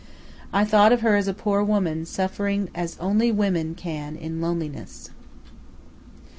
I thought of her as a poor woman, suffering as only women can in loneliness.